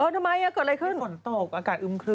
เออทำไมอ่ะเกิดอะไรขึ้น